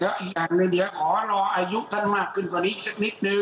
แล้วอีกอย่างเนี่ยเดี๋ยวขอรออายุท่านมากกว่านี้สักนิดนึง